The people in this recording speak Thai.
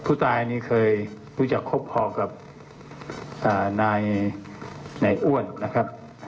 ผู้ตายนี่เคยรู้จักคบคอกับนายอ้วนนะครับ